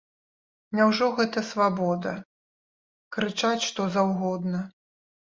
Няўжо гэта свабода, крычаць, што заўгодна?